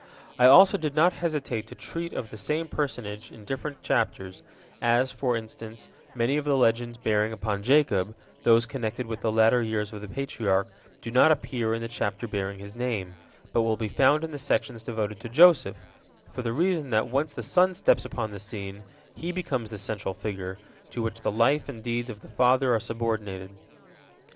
I also did not hesitate to treat of the same personage in different chapters, as, for instance, many of the legends bearing upon Jacob, those connected with the latter years of the Patriarch, do not appear in the chapter bearing his name, but will be found in the sections devoted to Joseph, for the reason that once the son steps upon the scene, he becomes the central figure, to which the life and deeds of the father are subordinated.